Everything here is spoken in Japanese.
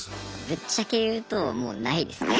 ぶっちゃけ言うともうないですね。